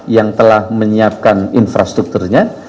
yang telah menyiapkan infrastrukturnya